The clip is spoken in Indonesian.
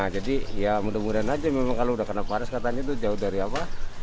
jadi salah satu manfaat dari berjemur di pagi hari adalah